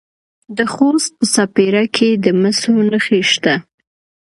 د خوست په سپیره کې د مسو نښې شته.